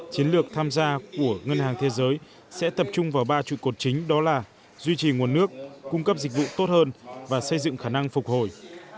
chiến lược tham gia của ngân hàng thế giới sẽ tập trung vào ba trụ cột chính đó là duy trì nguồn nước cung cấp dịch vụ tốt hơn và xây dựng khả năng phục hồi